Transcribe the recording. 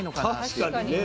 確かにね